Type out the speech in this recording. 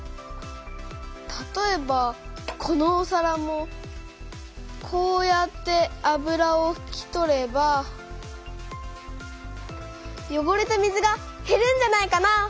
たとえばこのおさらもこうやって油をふき取ればよごれた水がへるんじゃないかな？